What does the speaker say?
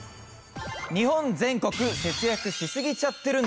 日本全国節約しすぎちゃってる